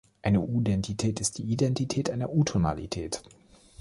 „Eine Udentität ist die Identität einer Utonalität“.